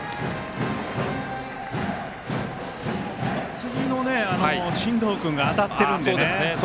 次の進藤君が当たっているのでね。